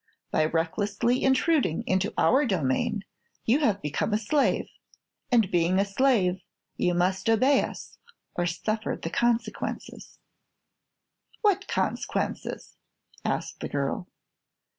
By recklessly intruding into our domain you have become a slave, and being a slave you must obey us or suffer the consequences." "What cons'quences?" asked the girl.